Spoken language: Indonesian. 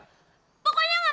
pokoknya nggak mau